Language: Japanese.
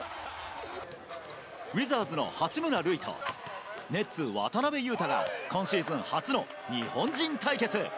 ウィザーズの八村塁と、ネッツ、渡邊雄太が今シーズン初の日本人対決。